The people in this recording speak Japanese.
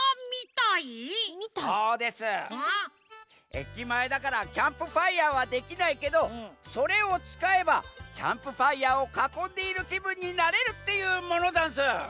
駅前だからキャンプファイヤーはできないけどそれをつかえばキャンプファイヤーをかこんでいるきぶんになれるっていうものざんす！